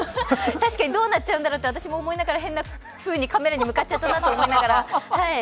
確かにどうなっちゃうんだろうと思いながらカメラに向かっちゃったなと思いながら。